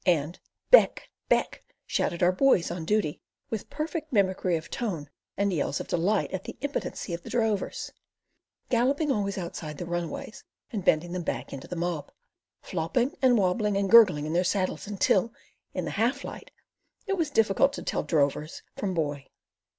And "Beck! beck!" shouted our boys on duty with perfect mimicry of tone and yells of delight at the impotency of the drovers, galloping always outside the runaways and bending them back into the mob, flopping and wobbling and gurgling in their saddles until, in the half light, it was difficult to tell drover from "boy."